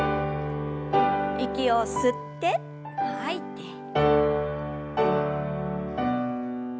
息を吸って吐いて。